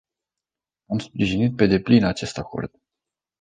Am sprijinit pe deplin acest acord.